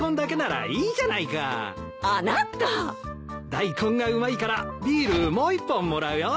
大根がうまいからビールもう１本もらうよ。